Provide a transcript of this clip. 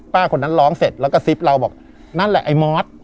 คนนั้นร้องเสร็จแล้วก็ซิบเราบอกนั่นแหละไอ้มอส